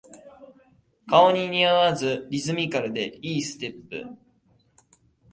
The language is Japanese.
顔に似合わずリズミカルで良いステップ